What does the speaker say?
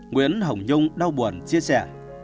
nguyễn hồng nhung đau buồn chia sẻ